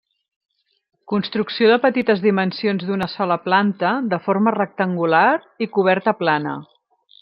Construcció de petites dimensions d'una sola planta, de forma rectangular, i coberta plana.